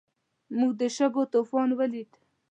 موږ د شګو طوفان ولید.